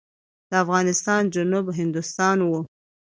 د افغانستان جنوب هندوستان و.